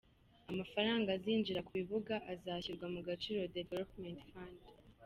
Amafaranga azinjira ku bibuga azashyirwa mu “Agaciro Development Fund”.